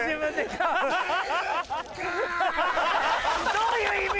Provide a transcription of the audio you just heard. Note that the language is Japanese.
どういう意味！